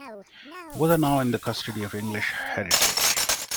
Both are now in the custody of English Heritage.